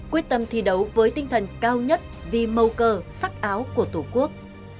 quyết tâm thi đấu với tinh thần cao nhất vì mâu cơ sắc áo của tổ quốc